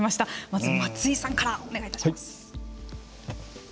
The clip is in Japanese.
まず、松井さんからお願いいたします。